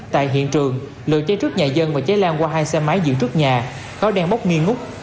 tại hiện trường lửa cháy trước nhà dân và cháy lan qua hai xe máy dựng trước nhà khói đen bốc nghi ngút